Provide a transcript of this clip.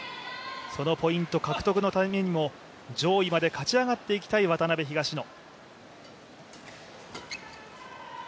そのポイント獲得のためにも上位まで勝ち上がっていきたい渡辺・東野。